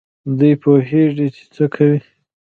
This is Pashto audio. دوی پوهېږي چي څه کوي.